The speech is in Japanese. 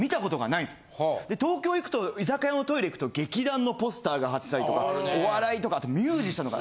東京行くと居酒屋のトイレ行くと劇団のポスターが貼ってたりとかお笑いとかミュージシャンとか。